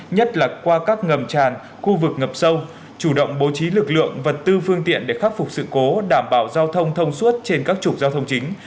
nhất là qua các ngầm tràn khu vực ngập sâu chủ động bố trí lực lượng vật tư phương tiện để khắc phục sự cố đảm bảo giao thông thông suốt trên các trục giao thông chính